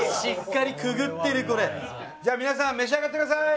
じゃあ皆さん召し上がってください！